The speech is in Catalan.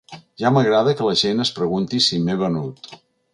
Ja m’agrada que la gent es pregunti si m’he venut.